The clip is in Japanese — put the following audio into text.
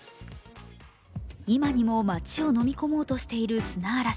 今にも街をのみ込もうとしている砂嵐。